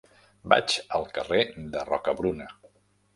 Vaig al carrer de Rocabruna.